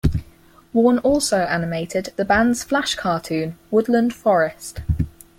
Warne also animated the band's flash cartoon, "Woodland Forest".